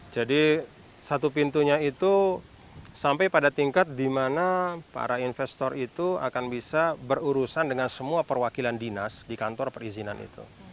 jadi satu pintunya itu sampai pada tingkat di mana para investor itu akan bisa berurusan dengan semua perwakilan dinas di kantor perizinan itu